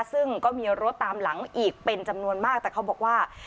ซึ่งก็มีรถตามหลังอีกเป็นจำนวนมากแต่เขาบอกว่า